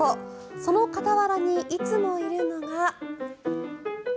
その傍らにいつもいるのが。